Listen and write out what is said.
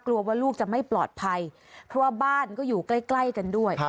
กลัวว่าลูกจะไม่ปลอดภัยเพราะว่าบ้านก็อยู่ใกล้ใกล้กันด้วย